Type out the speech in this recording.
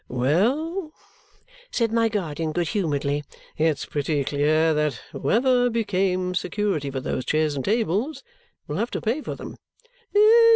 "Well," said my guardian good humouredly, "it's pretty clear that whoever became security for those chairs and tables will have to pay for them."